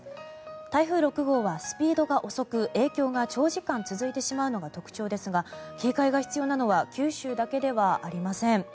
台風６号はスピードが遅く影響が長時間続いてしまうのが特徴ですが警戒が必要なのは九州だけではありません。